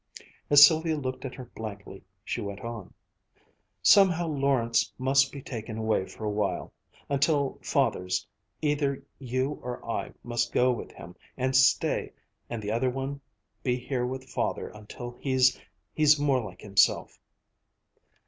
As Sylvia looked at her blankly, she went on: "Somehow Lawrence must be taken away for a while until Father's either you or I must go with him and stay, and the other one be here with Father until he's he's more like himself."